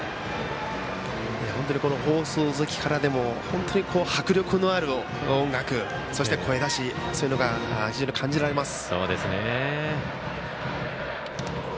放送席からでも本当に迫力のある音楽、そして声出しそういうのが非常に感じられます。